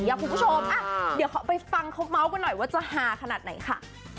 คุณผู้ชมเดี๋ยวเขาไปฟังเขาเมาส์กันหน่อยว่าจะฮาขนาดไหนค่ะ